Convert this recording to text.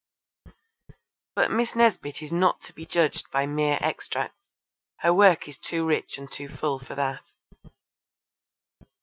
But Miss Nesbit is not to be judged by mere extracts. Her work is too rich and too full for that.